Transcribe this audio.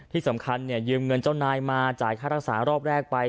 ที่สำคัญยืมเงินเจ้านายมาจ่ายค่ารักษารอบแรกไป